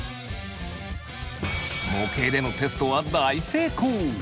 模型でのテストは大成功！